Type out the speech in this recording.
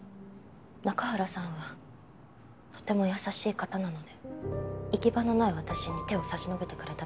中原さんはとても優しい方なので行き場のない私に手を差し伸べてくれただけです。